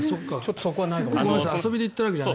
そこはないかもしれない。